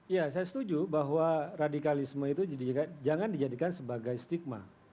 ya saya setuju bahwa radikalisme itu jangan dijadikan sebagai stigma